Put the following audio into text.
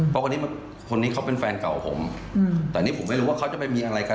เพราะคนนี้คนนี้เขาเป็นแฟนเก่าผมแต่นี่ผมไม่รู้ว่าเขาจะไปมีอะไรกัน